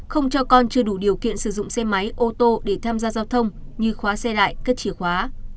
không cho con chưa đủ điều kiện sử dụng xe máy ô tô để tham gia giao thông như khóa xe lại các chìa khóa